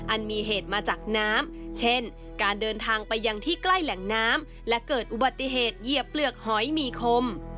อันมีเหตุมาจากน้ำเช่นการเดินทางไปยังที่ใกล้แหล่งน้ำและเกิดอุบัติเหตุเหยียบเปลือกหอยมีคม